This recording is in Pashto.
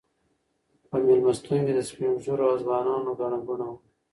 په مېلمستون کې د سپین ږیرو او ځوانانو ګڼه ګوڼه وه.